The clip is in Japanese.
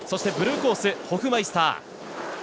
ブルーコース、ホフマイスター。